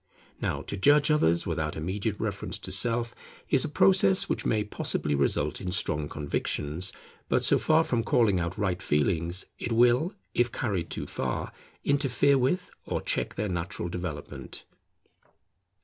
Now to judge others without immediate reference to self, is a process which may possibly result in strong convictions, but so far from calling out right feelings, it will, if carried too far, interfere with or check their natural development.